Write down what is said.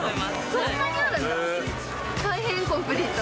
そんなにあるんだ。